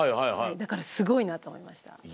だからすごいなと思いました。